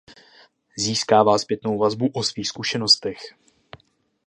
Získává zpětnou vazbu o svých zkušenostech.